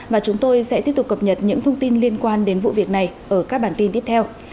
và chúng tôi sẽ tiếp tục cập nhật những thông tin liên quan đến vụ việc này ở các bản tin tiếp theo